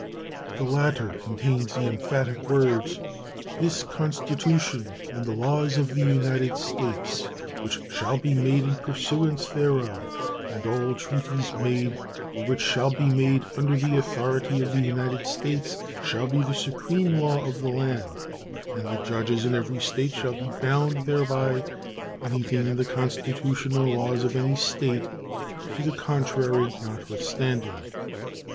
The latter contains the emphatic words This Constitution and the laws of the United States which shall be made in pursuance thereof, and all treaties made or which shall be made under the authority of the United States, shall be the supreme law of the land, and the judges in every State shall be bound thereby, anything in the constitution or laws of any State to the contrary notwithstanding.